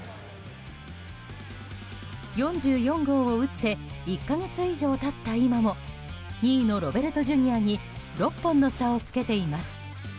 ４４号を打って１か月以上経った今も２位のロベルトＪｒ．に６本の差をつけています。